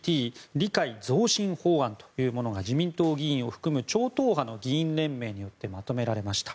理解増進法というものが自民党議員を含む超党派の議員連盟によってまとめられました。